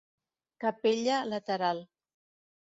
Capella lateral.